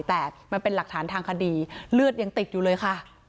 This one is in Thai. แต่มันเป็นหลักฐานทางคดีเลือดยังติดอยู่เลยค่ะ